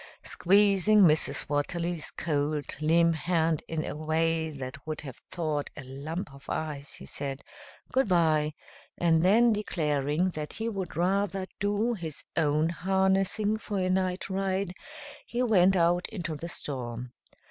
Squeezing Mrs. Watterly's cold, limp hand in a way that would have thawed a lump of ice, he said "goodby;" and then declaring that he would rather do his own harnessing for a night ride, he went out into the storm.